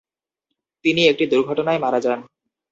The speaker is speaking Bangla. তিনি একটি দুর্ঘটনায় মারা যান।